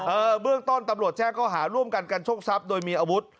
เบื้องต้นตำรวจแจ้งเขาหาร่วมกันกันโชคทรัพย์โดยมีอาวุธ